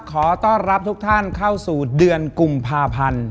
ขอต้อนรับทุกท่านเข้าสู่เดือนกุมภาพันธ์